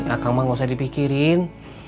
akan mah gak usah dipikirin